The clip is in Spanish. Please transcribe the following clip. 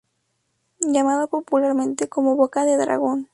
Llamada popularmente como "Boca de dragón".